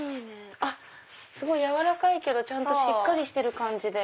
すごい柔らかいけどちゃんとしっかりしてる感じで。